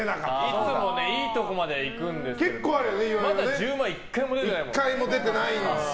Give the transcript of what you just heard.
いつもいいとこまではいくんですけどまだ１０万円は１回も出てないんです。